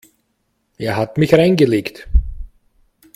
Er hat mich reingelegt.